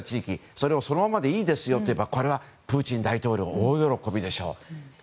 それはそのままでいいですよと言えばこれはプーチン大統領も大喜びでしょう。